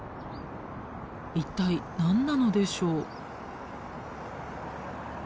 一体何なのでしょう？